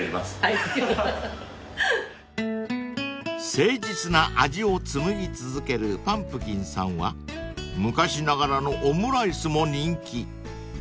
［誠実な味を紡ぎ続けるぱんぷきんさんは昔ながらのオムライスも人気］